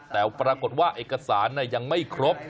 แต่ปรากฏว่าเอกสารยังไม่ครบ